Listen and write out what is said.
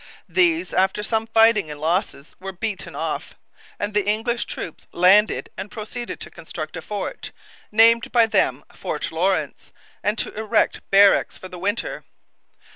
These, after some fighting and losses, were beaten off; and the English troops landed and proceeded to construct a fort, named by them Fort Lawrence, and to erect barracks for the winter.